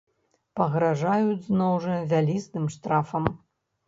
Пагражаюць зноў жа вялізным штрафам.